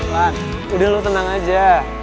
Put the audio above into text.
lah udah lo tenang aja